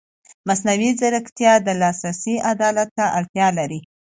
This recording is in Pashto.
مصنوعي ځیرکتیا د لاسرسي عدالت ته اړتیا لري.